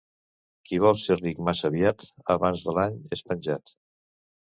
Qui vol ser ric massa aviat, abans de l'any és penjat.